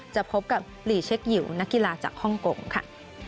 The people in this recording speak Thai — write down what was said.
จะพบกับหลีเช็คหยิวนักกีฬาจากฮ่องกงค่ะ